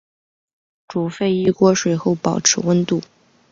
煮沸一锅水后保持温度。